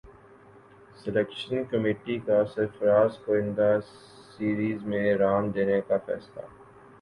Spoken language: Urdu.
سلیکشن کمیٹی کا سرفراز کو ئندہ سیریز میں رام دینے کا فیصلہ